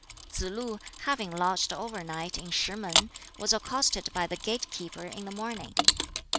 Tsz lu, having lodged overnight in Shih mun, was accosted by the gate keeper in the morning.